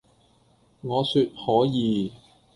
我説「可以！」